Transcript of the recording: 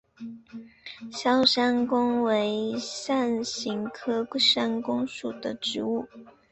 鞘山芎为伞形科山芎属的植物。